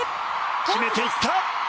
決めていった！